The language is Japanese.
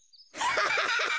ハハハハ！